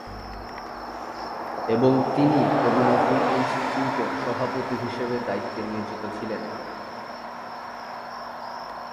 এবং তিনি কবি নজরুল ইনস্টিটিউটের সভাপতি হিসেবে দায়িত্বে নিয়োজিত ছিলেন।